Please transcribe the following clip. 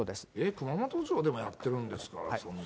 熊本城でもやってるんですから、そんな。